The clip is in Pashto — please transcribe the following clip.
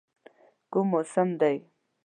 کوم موسم دی؟